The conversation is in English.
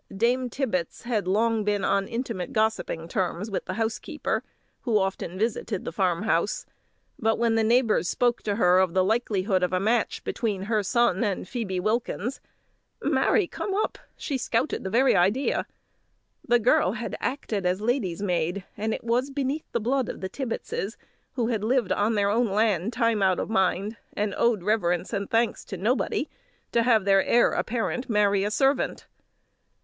Dame Tibbets had long been on intimate gossiping terms with the housekeeper, who often visited the farm house; but when the neighbours spoke to her of the likelihood of a match between her son and Phoebe Wilkins, "Marry come up!" she scouted the very idea. The girl had acted as lady's maid, and it was beneath the blood of the Tibbetses, who had lived on their own lands time out of mind, and owed reverence and thanks to nobody, to have the heir apparent marry a servant!